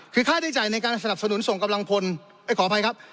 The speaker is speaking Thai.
คือค่าได้จ่ายในการสนับสนุนส่งกำลังพลขออภัยครับ